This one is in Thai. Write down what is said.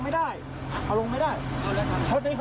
จะทำยังบ้าใหม่